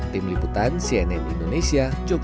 tim liputan cnn indonesia yogyakarta